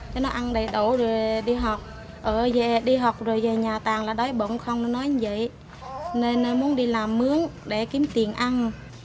cho nó ăn đầy đủ rồi đi học ở về đi học rồi về nhà tàn là đói bụng không nó nói như vậy nên nó muốn đi làm mướn để kiếm tiền ăn